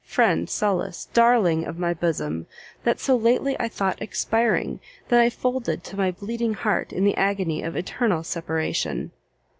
friend, solace, darling of my bosom! that so lately I thought expiring! that I folded to my bleeding heart in the agony of eternal separation!"